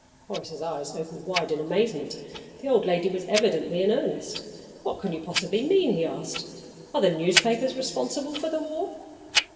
Horace's eyes opened wide in amazement. The old lady was evidently in earnest. "What can you possibly mean?" he asked. "Are the newspapers responsible for the war?"